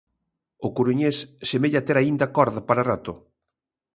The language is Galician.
O coruñés semella ter aínda corda para rato.